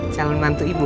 calon bantu ibu